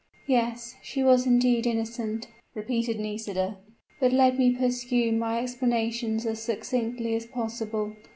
"Yes, she was indeed innocent," repeated Nisida, "But let me pursue my explanations as succinctly as possible.